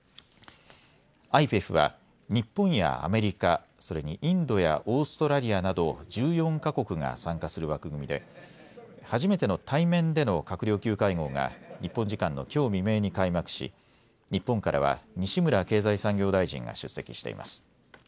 ＩＰＥＦは日本やアメリカそれにインドやオーストラリアなど１４か国が参加する枠組みで初めての対面での閣僚級会合が日本時間のきょう未明に開幕し日本からは西村経済産業大臣が出席しています。